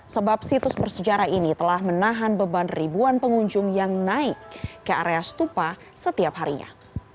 sebab situs bersejarah ini telah menahan beban ribuan pengunjung yang naik ke area stupa setiap harinya